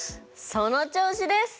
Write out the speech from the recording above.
その調子です！